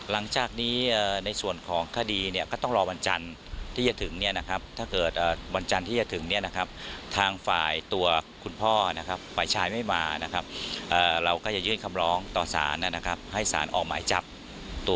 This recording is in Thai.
ท่านายเทียรฐรก็ยังกล่าวเพิ่มเติมนะคะ